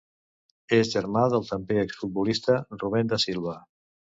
És germà del també exfutbolista Rubén da Silva.